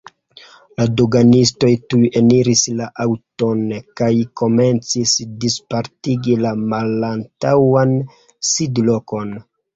La doganistoj tuj eniris la aŭton kaj komencis dispartigi la malantaŭan sidlokon.